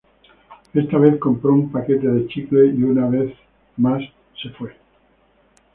Esta vez, compró un paquete de chicles y una vez más se fue.